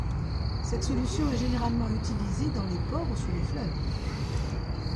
Cette solution est généralement utilisée dans les ports ou sur les fleuves.